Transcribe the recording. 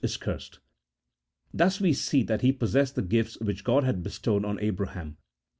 £1 is cursed." Thus we see that he possessed the gift which God had bestowed on Abraham.